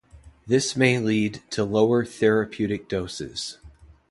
This may lead to lower therapeutic doses.